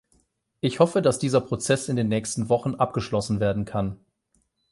Ich hoffe, dass dieser Prozess in den nächsten Wochen abgeschlossen werden kann.